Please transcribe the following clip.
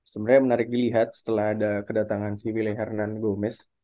sebenarnya menarik dilihat setelah ada kedatangan si wille hernan gomez